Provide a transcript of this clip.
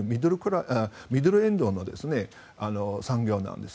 ミドルエンドの産業なんです。